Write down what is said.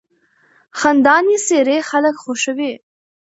خندانې څېرې خلک خوښوي.